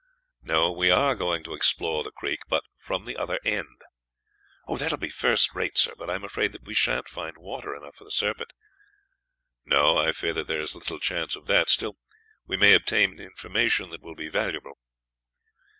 "No; we are going to explore the creek, but from the other end." "That will be first rate, sir, but I am afraid that we shan't find water enough for the Serpent." "No, I fear that there is little chance of that; still we may obtain information that will be valuable."